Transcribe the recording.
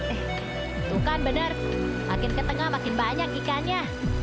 eh itu kan benar makin ke tengah makin banyak ikannya